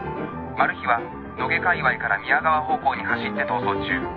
マル被は野毛かいわいから宮川方向に走って逃走中。